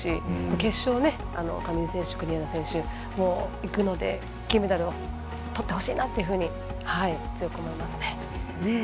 決勝上地選手、国枝選手いくので金メダルをとってほしいなと強く思いますね。